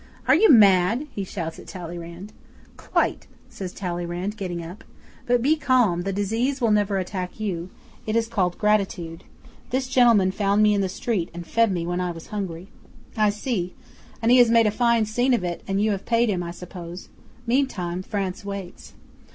Are you mad?" he shouts at Talleyrand. '"Quite," says Talleyrand, getting up. "But be calm. The disease will never attack you. It is called gratitude. This gentleman found me in the street and fed me when I was hungry." '"I see; and he has made a fine scene of it, and you have paid him, I suppose. Meantime, France waits."